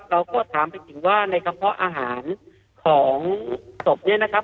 เราก็ถามไปถึงว่าในคำพอบ์อาหารของศพนี่นะครับ